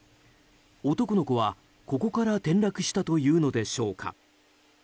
男の子は、ここから転落したというのでしょうか。